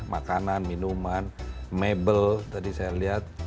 makanan minuman mebel tadi saya lihat